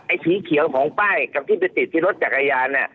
สีเขียวของป้ายกับที่ไปติดที่รถจักรยาน